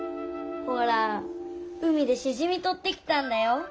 ほら海でしじみとってきたんだよ。